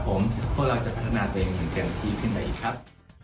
ก็จะพัฒนาตัวเองอย่างกันอีกขึ้นได้อีกครับ